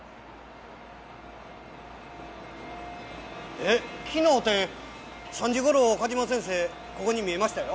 えっ昨日って３時ごろ梶間先生ここに見えましたよ。